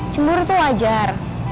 cemburu tuh wajar